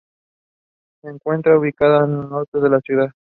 Se encuentra ubicada en el norte de la ciudad.